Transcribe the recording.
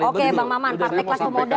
oke bang maman partai kelas pemuda